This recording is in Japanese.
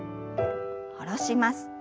下ろします。